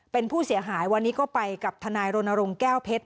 เป็นผู้เสียหายวันนี้ก็ไปกับทนายรณรงค์แก้วเพชร